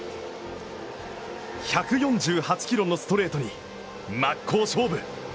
１４８キロのストレートに真っ向勝負！